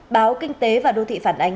báo kinh tế và đô thị phản ánh